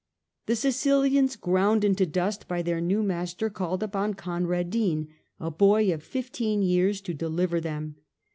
The Sicilians, ground into dust by their new master, called upon Conradin, a boy of fifteen years, to deliver them.